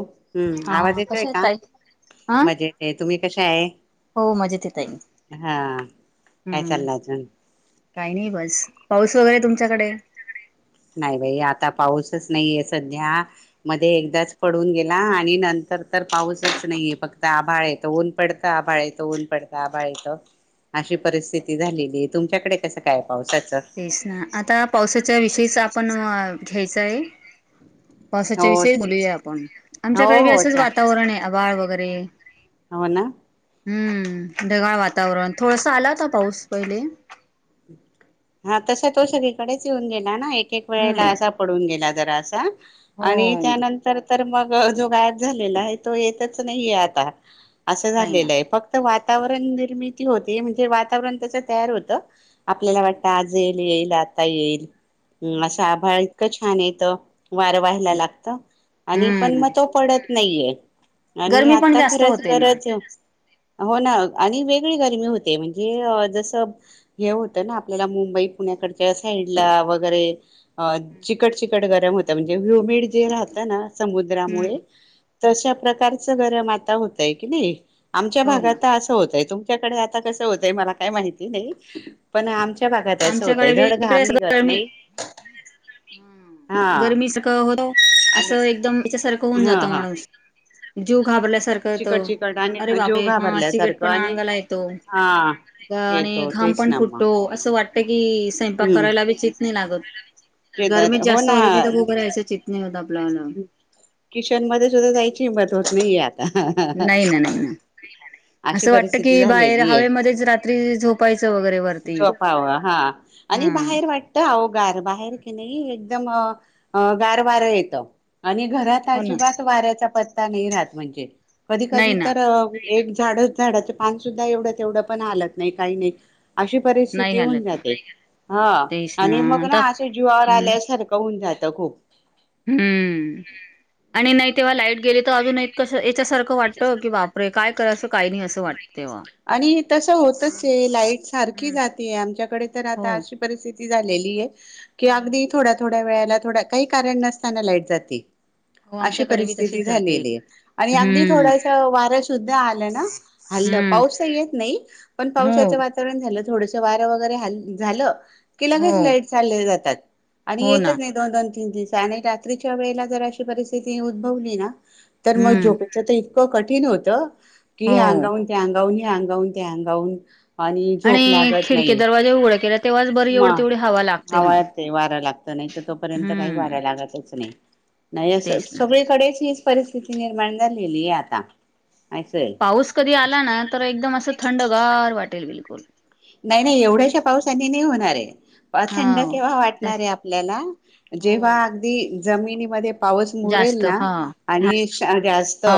हम्म. हा आवाज येतोय कशा आहेत का? ताई? हा मजेत आहे तुम्ही कशा आहे हो मजेत आहे ताई. हा. काय हम्म चाललंय अजून. काही नाही बस पाऊस वगैरे तुमच्याकडे. नाही बाई आता पाऊसच नाही आहे सध्या मध्ये एकदाच पडून गेला आणि नंतर तर पाऊसच नाहीये फक्त आभाळ येत ऊन पडत आभाळ येत ऊन पडत. का आभाळ येत अशी परिस्थिती झालेली आहे तुमच्याकडे कसं काय आहे पावसाचं. तेच ना आता पावसाच्या विषयीच आपण घ्यायचं आहे. हो पावसाच्या विषयी बोलूया आपण आमच्याकडे हो बी हो असंच अच्छा. वातावरण आहे आभाळ वगैरे. हो ना. हम्म ढगाळ वातावरण थोडस आला होता पाऊस पहिले. हा तसा तो सगळीकडेच येऊन गेला ना एक-एक वेळेला हम्म. असा पडून गेला जरासा. हो आणि त्यानंतर तर मग जो गायब झालेला आहे तो येतच नाही आहे आता. असं नाही ना झालेलं आहे फक्त वातावरण निर्मिती होते म्हणजे वातावरण त्याच तयार होत. आपल्याला हो वाटतं आज येईल येईल आता येईल हं अस हम्म आभाळ इतकं छान येत. वार व्हायला लागत आणि पण मग हम्म तो पडत नाहीये. आणि गरमी पण आता जास्त खरंच होते ना गरज हो ना आणि वेगळी गरमी होते म्हणजे जसं हे होतं ना आपल्याला मुंबई पुण्याकडच्या साईडला वगैरे अ चिकट चिकट गरम हो त म्हणजे व्ह्यू बीड जे राहतं ना हम्म समुद्रामुळे तशा प्रकारचं गरम आता होतय की नाही आमच्या हो भागात ना तर असं होतय तुम मच्याकडे आता कसं होतंय मला काय माहिती नाही पण आम आमच्याकडे बी इकडेच गरमी. हा हम्म. गरमी सक हो आणि असं एकदम याच्यासारखं होऊन हा जात हा माणूस जीव घाबरल्यासार करतो. चिकट चिकट आणि अरे जीव बापरे! हा घाबरल्यासारखं चिकटपणा आणि अंगाला येतो. हा आणि येतो घाम तेच पण ना मग फुटतो असं वाटत की स्वयंपाक हम्म करायला बी चित नाही लागत. शेतात गर्मी हो जास्त ना होते तिथं उभरायचं चित नाही होत आपल्याला. किशन मध्ये सुद्धा जायची हिंमत होत नाहीेये आता हं हं हं. नाही ना नाही ना अशी असं वाटतं परिस्थिती की बाहेर झालेली आहे. हवेमध्येच रात्री झोपायचं वगैरे वरती जोपावं हा. आणि हा बाहेर वाटत आवो गार बाहेर की नाही एकदम अ गार वार येत. आणि घरात हो ना अजिबात वाऱ्याचा पत्ता नाही राहत म्हणजे नाही कधी-कधी ना तर अ एक झाडच झाडाचं पानसुद्धा एवढं तेवढं पण हालत नाही काही नाही. अशी नाही परिस्थिती होऊन हालत जाते हा तेच आणि मग आता ना असे जीवावर हम्म आल्या सारखं होऊन जातं खूप. हम्म आणि नाही तेव्हा लाईट गेली तर अजून एक कसं याच्यासारखं वाटत की बाप परे काय करायचं काही नाही असं वाटतं. तेव्हा आणि तस तर होतच की वो लाईट सारखी हम्म जाते आमच्याकडे तर हो आता आज सु परिस्थिती झालेली आहे की हो अगदी थोड्या थोड्या वेळाला थोडया काही कारण नसताना लाईट जाते हो, अशी आमच्याकडे बी परिस्थिती तशीच जाते झालेली आहे. आणि अगदी हम्म थोड्यासा वार शुद्ध आल ना हल्लं हम्म पाऊस तर येत नाही पण हो पावसाचं वातावरण झालं थोडस वारं वगैरे हाल झालं की हो लगेच लाईट चालले जातात आणि हो ना येतच नाहीत. दोन दोन तीन दिवस आणि रात्रीच्या वेळेला जर अशी परिस्थिती उद्भवली ना तर मग हम्म झोपे तर इतकं कठीण होतं की ह्या हो अंगाहून त्या अंगाहून ह्या अंगाहून त्या अंगाहून आणि झोप लागत खिडकी नाही दरवाजे उघडे केले तेव्हाच बरी म एवढ तेवढी हवा लागते हवा मग येते वारा लागत नाही तर तोपर्यंत काही हम्म वार लागतच नाही. नाही असं तेच ना सगळीकडेच हीच परिस्थिती निर्माण झालेली आहे आता असय. पाऊस कधी आला ना तर एकदम असं थंडगार वाटेल बिलकुल नाही नाही एवढ्याशा पावसानी नाही होणार आहे. हा थंड केव्हा वाटणार जास्त आहे आपल्याला हो जेव्हा अगदी जमिनीमध्ये पाऊस मुरेल जास्त ना हा आणि जास्त हा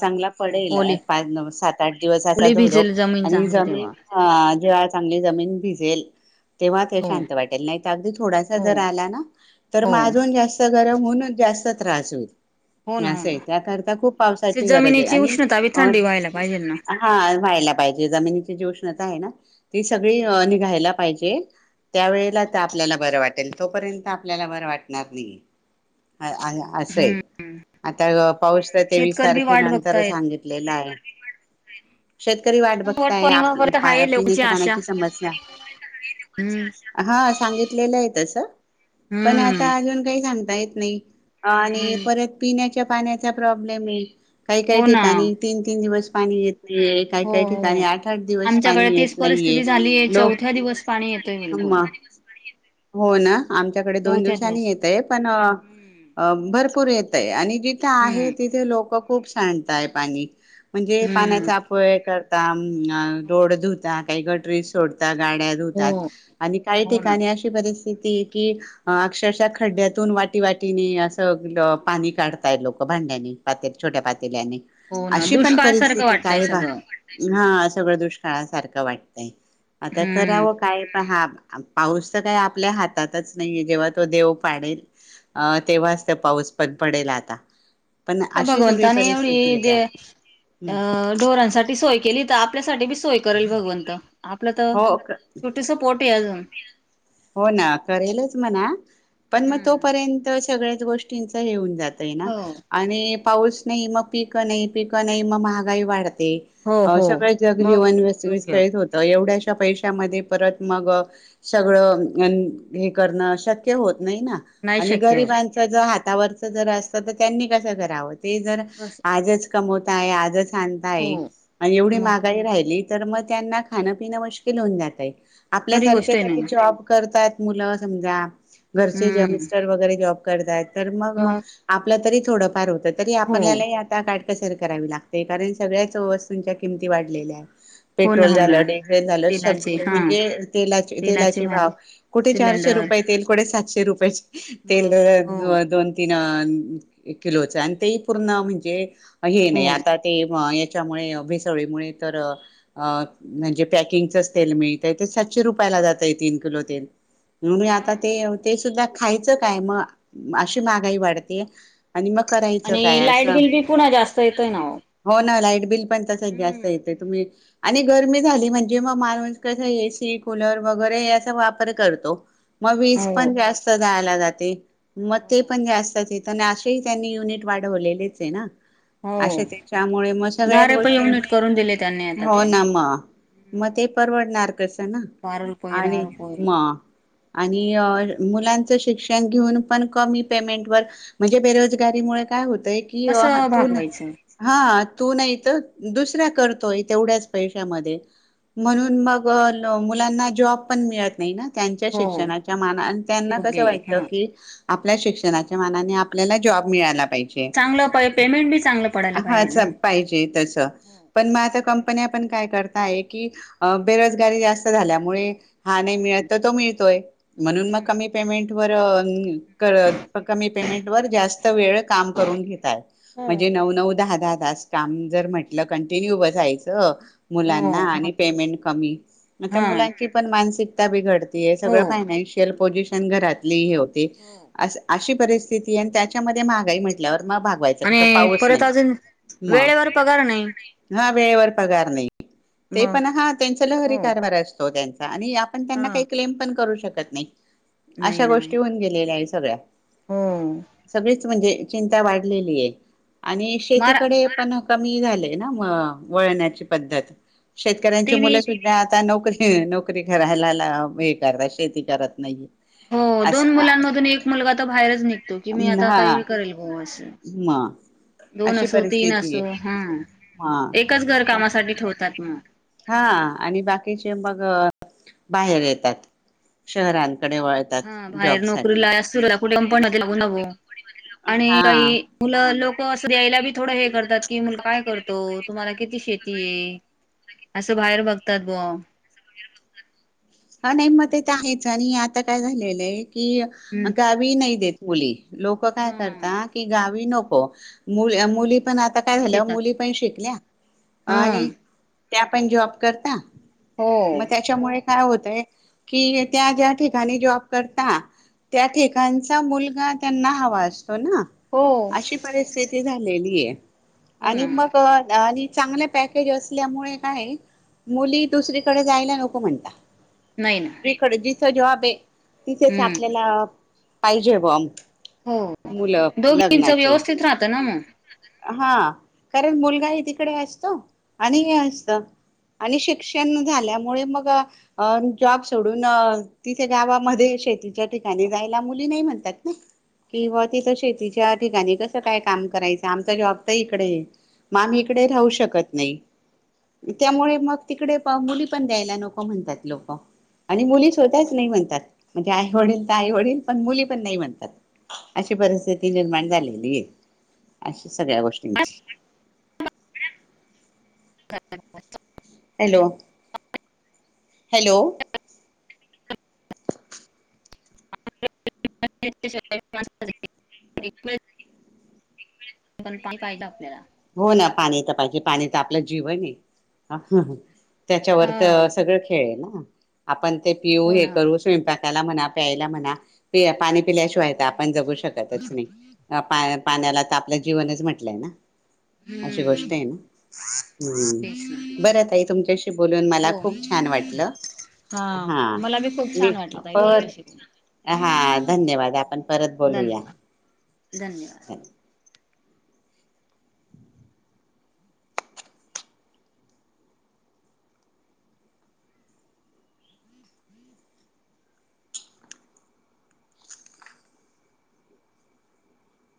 चांगला पडेल पाच नव्हे सात आठ दिवस असा भिजल जमीन चांगली तेव्हा हा जेव्हा चांगली जमीन भिजेल. तेव्हा ते हो शांत वाटेल नाही तर अगदी थोडासा हो जर आला ना तर हो मग अजून जास्त जास्त गरम होऊन जास्त त्रास होईल. हो ना हो असं आहे. ना त्याकरता खूप तसे पावसाची गरज आहे जमिनीची आणि उष्णता बी अ थंडी व्हायला पाहिजे ना हा व्हायला पाहिजे. जमिनीची जी उष्णता आहे ना ती सगळी निघायला पाहिजे. त्यावेळेला आपल्याला बरं वाटेल तोपर्यंत आपल्याला बरं वाटणार नाही. असंय. हम्म आता पाऊस तर तेवीस शेतकरी बी तारखे वाट नंतर बघतायत सांगितलेलं आहे. शेतकरी वाट वट बघताय. आप पौर्णिमा पर्यंत पिण्याची हाय लोकांची पिण्याची आशा पाण्याची समस्या हम्म हा सांगितलेलं आहे तसं पण हम्म आता अजून काही सांगता येत नाही. आणि हम्म परत पिण्याच्या पाण्याचा प्रॉब्लेम आहे काही काही हो ना ठिकाणी तीन तीन दिवस पाणी येते काय हो काही ठिकाणी हो आठ आठ दिवस आमच्याकडे पाणी तीच येत परिस्थिती नाहीये. झालीय लोक चौथ्या दिवस पाणी येतोय बिलकुल म हो ना आमच्याकडे दोन चौथ्या दिवसांनी दिवस येतय पण हम्म अ भरपूर येत आहे आणि जिथे आहे हम्म तिथे लोक खूप सांडतय पाणी म्हणजे हम्म पाण्याचा अपवाय करता अ रोड धुता काही गटरी सोडता गाड्या हो धुतात आणि काही हो ना ठिकाणी अ परिस्थिती की अक्षरशः खड्ड्यातून वाटी वाटीने असं पाणी काढताय लोक भांड्याने पाते छोट्या पातेल्याने हो ना अशी पण दुष्काळ सारखं परिस्थिती वाटतय काय बा सगळं हा सगळं दुष्काळासारखं वाटतंय आता हम्म करावं काय पण हा पाऊस तर काही आपल्या हातातच नाहीये जेव्हा तो देव पाडेल अ तेव्हाच तर पाऊस पण पडेल आता पण तर अशी सगळी भगवंताने एवढी परिस्थिती दे येत्या अ ढोरांसाठी सोय केली. आपल्यासाठी बी सोय करेल भगवंत आपलं तर हो छोटीस पोट आहे अजून हो ना करेलच म्हणा पण मग हम्म तोपर्यंत सगळ्याच गोष्टींच हे होऊन जात. नाही ना हो आणि पाऊस नाही मग पीक नाही पीक नाही मग महागाई वाढते. हो अ हो सगळे जग मग जीवन योग्य विस्कळीत होत तर एवढ्याशा पैशामध्ये परत मग सगळं हे करणं शक्य होत नाही ना नाही आणि शक्य होय गरीबा- -चं हातावरच जर असत तर त्यांनी कस कराव ते जर कस आजच कमवताय आजच हो आणताय आणि एवढी मग महागाई राहिली तर मग त्यांना खाणं पिणं मुश्किल होऊन जात आहे. खरी आपल्यासारखे गोष्ट आहे काही ना जॉब करतात मुलं समजा घरचे जे हम्म मिस्टर वगैरे जॉब करतात तर मग आपलं तरी थोडंफार होत तरी हो आपल्याला ता काटकसर करावी लागते कारण सगळ्याच वस्तूंच्या किमती वाढलेल्या आहेत. हो ना पेट्रोल हो ना झालं डिझेल झालं सग तेलाचे हा म्हणजे तेलाची तेलाची भाव कुठे चारशे सिलेंडर रुपये तेल कुठे सातशे रुपयाचे तेल मग हो दोन तीन किलोच अन ते पूर्ण, म्हणजे हे हो नाही, आता. ते, हं याच्यामुळे, भेसवळीमुळे, तर अं, म्हणजे पॅकिंगचच तेल मिळतय, ते सातशे रुपयाला जातय, तीन किलो. तेल, मी हा आता ते, ते सुद्धा खायचं काय, मग अशी मग महागाई वाढते आणि मग करायचं आणि काय? लाईट असं. बिल बी पुन्हा जास्त येतोय ना ओ हो ना, लाईट बिल पण, तसच जास्त हम्म येतय, तुम्ही आणि गरमी झाली, म्हणजे म माणूस कस एसी, कुलर वगैरे, याचा वापर करतो. म वीज हो पण जास्त जाळल्या जाते, मग ते हो पण जास्त बि त्यां न अशेही त्यांनी, युनिट वाढवलेलेच ये ना. हो अशे, त्याच्यामुळे मग, दहा सगळ्याच रुपये गोष्टी युनिट करून दिले त्यांनी [unintelligible] आता हो तर ना म. म ते परवडणार कसं ना बारा रुपये दहा आणि रुपये हां आणि मग मुलांचं शिक्षण घेऊन पण, कमी पेमेंट वर म्हणजे बेरोजगारीमुळे काय होतय?, की कसं हातून भागवायचं हां, तू नाही तर, दुसरा करतोय, तेवढ्याच पैशामध्ये. म्हणून मग, मुलांना जॉब पण, मिळत नही ना. त्यांच्या हो शिक्षणाच्या माना, अ त्यांना योग्य कसं आहे वाटतं हा की आपल्या शिक्षणाच्या मनाने, आपल्याला जॉब मिळाला पाहिजे. चांगलं पडतेना, पेमेंट बी चांगलं पडायला पाहिजे. हां पाहिजे तसं. पण म आता हम्म कंपन्या पण, काय करताय की, बेरोजगारी जास्त झाल्यामुळे नहीं मिळत तो मिळतोय, म्हणून म हम्म कमी पेमेंट वर [unintelligible] कमी पेमेंट वर, जास्त वेळ काम करून घेताय. हो म्हणजे नऊ-नऊ, दहा-दहा तास काम जर म्हटलं, कंटिन्यू बसायचं मुलांना हो आणि पेमेंट कमी, आता हा मुलांची पण मानसिकता बिघड ते, हो सगळं फायनान्शियल पोझिशन घरातली हे होते, अस अशी परिस्थिती अन त्याच्यामध्ये महागाई म्हटल्यावर, मग भागवाय त्यांचं आणि पाऊच परत नही, अजून म वेळेवर पगार नाही हां वेळेवर पगार नही, ते मग पण हां त्यांचा लहरी हो कारभार असतो, त्यांचा आणि आ पण हा त्यांना काही क्लेम पण करू शकत नाही, नाही अशा ना गोष्टी होऊन गेलेल्या ये, सगळ्या. हो. सगळीच, म्हणजे चिंता वाढलेली ये आणि मारा शेतीकडे पण कमी झाले ना, म वळनाची पद्धत, शेतकऱ्यांच्या मुला ते आता नोकरी, नोकरी करायला ला, हे करतात, शेती करत नही. हो. [unintelligible] दोन मुलांमधून, एक मुलगा त बाहेरच निघतो, की मी आता हा काही करेल बुवा असं. म. दोन अशी असो, तीन परिस्थिती असो, आहे हं, एकाच घर कामासाठी ठेवतात, मग. हां आणि बाकीचे मग बाहेर येतात, शहरांकडे वळत हां, बाहेर नोकरी ला असत, कुठे प पण [unintelligible] लागू नवो आणि हा काही मुलं लोकं असं द्यायला बी, थोडं हे करतात, की मुलं काय करतो, तुम्हाला किती शेती ये? असं बाहेर बघतात, बुवा. हां, नही म ते तर आहेच आणि आता काय झालेलं ये, की हम्म गावी नाही देत मुली, लोकं काय हा करता, कि गावी नको हो मु-मुली पण आता काय झाल्या, शेतात मुली पण शिकल्या, हा आणि त्या पण जॉब करता, हो म त्याच्यामुळे काय होत कि त्या ज्या ठिकाणी जॉब करता त्या ठेिकाणचा मुलगा त्यांना हवा असतो ना? हो अशी परस्थिती झालेली आहे हो आणि ना मग आणि चांगल्या पॅकेज असल्यामुळे काय मुली दुसरीकडे जायला नको म्हणता. नाही ना जिकडे जिथ जॉब आहे तिथेच हम्म आपल्याला पाहिजे बुवा. [unintelligible] हो मुलं दोघींच लग्नाचे व्यवस्थित राहतं ना मग. आहेत. हा कारण मुलगाही तिकडे असतो आणि हे असतं. आणि शिक्षण झाल्यामुळे मग अ जॉब सोडून तिथे गावामध्ये शेतीच्या ठिकाणी जायला मुली नाही म्हणतात ना किं बुवा तिथं शेतीच्या ठिकाणी कसं काय काम करायचं आमचा जॉब तर इकडे आहे. मग आम्ही इकडे राहू शकत नाही. त्यामुळे मग तिकडे मुली पण द्यायला नको म्हणतात. लोक आणि मुलीच स्वतःच नाही म्हणतात. म्हणजे आई वडील तर आई वडील पण मुली पण नाही म्हणतात. अशी परिस्थिती निर्माण झालेली आहे अशी सगळ्या गोष्टींची. [unintelligible] हॅलो हॅलो [unintelligible] पण पाणी पाहिजे आपल्याला हो ना पाणी तर पाहिजे पाणीच आपलं जीवन आहे. त्याच्यावर तर हा. सगळं खेळ आहे ना आपण ते पिऊ हो हे ना हो ना. करू स्वयंपाक त्याला म्हणा प्यायला म्हणा पेय पाणी पिल्याशिवाय हम्म तर आपण हम्म. जगू शकतच नाही पा नाही पाण्याला तर आपलं जीवनच म्हटलंय ना अशी हम्म गोष्ट आहे ना हम्म तेच ना बरं ताई तुमच्याशी बोलून मला हो खूप छान वाटलं हा मला बी खूप मी छान वाटलं ताई पर तुमच्याशी बोलून. हा हो धन्यवाद आपण परत बोलूया. धन्यवाद धन्यवाद [unintelligible]